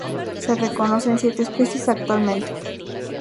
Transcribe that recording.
Se reconocen siete especies actualmente.